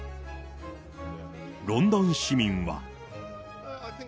ロンドン市民は。